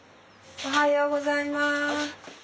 おはようございます。